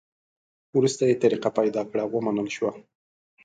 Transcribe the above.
وروسته یې طریقه پیدا کړه؛ ومنل شوه.